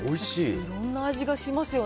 いろんな味がしますよね。